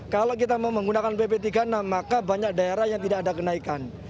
kalau kita mau menggunakan pp tiga puluh enam maka banyak daerah yang tidak ada kenaikan